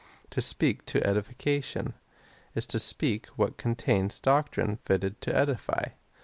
" To sjjeak to edification, is to speak what contains doctrine fitted to edify.